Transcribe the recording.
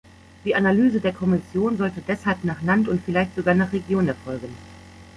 Die Analyse der Kommission sollte deshalb nach Land und vielleicht sogar nach Region erfolgen.